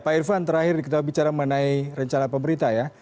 pak irfan terakhir kita bicara mengenai rencana pemerintah ya